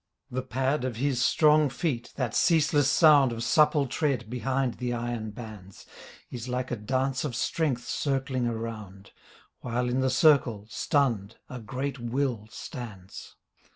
The pad of his strong feet, that ceaseless sound Of supple tread behind the iron bands. Is like a dance of strength circling around. While in the circle, stunned, a great will stands.